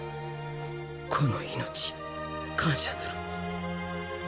この命感謝する。